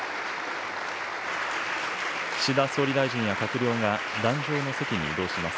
岸田総理大臣や閣僚が壇上の席に移動します。